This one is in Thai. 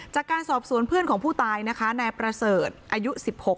จากการสอบสวนเพื่อนของผู้ตายนะคะนายประเสริฐอายุ๑๖